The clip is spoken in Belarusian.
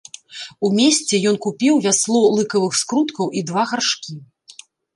У месце ён купіў вясло лыкавых скруткаў і два гаршкі.